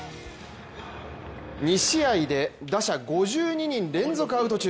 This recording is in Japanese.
２試合で打者５２人、連続アウト中。